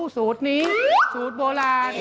สูตรนี้สูตรโบราณ